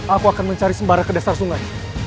aku akan mencari sembara ke dasar sungai